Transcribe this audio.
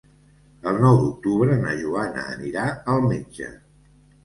El nou d'octubre na Joana anirà al metge.